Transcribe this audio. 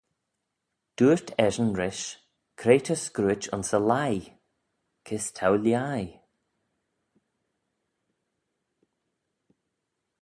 Dooyrt eshyn rish, Cre ta scruit ayns y leigh? kys t'ou lhaih?